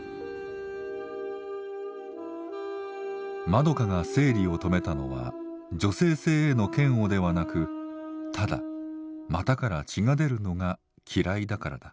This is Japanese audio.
まどかが生理を止めたのは女性性への嫌悪ではなくただ股から血が出るのが嫌いだからだ。